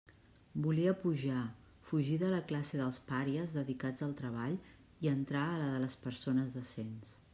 Volia pujar, fugir de la classe dels pàries dedicats al treball i entrar en la de les «persones decents».